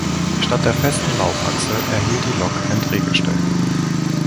Statt der festen Laufachse erhielt die Lok ein Drehgestell.